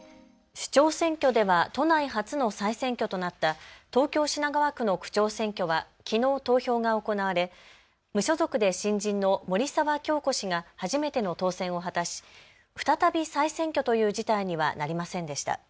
首長選挙では都内初の再選挙となった東京品川区の区長選挙はきのう投票が行われ無所属で新人の森澤恭子氏が初めての当選を果たし再び再選挙という事態にはなりませんでした。